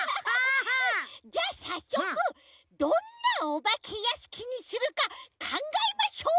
じゃさっそくどんなおばけやしきにするかかんがえましょう！